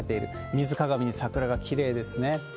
水鏡に桜がきれいですね。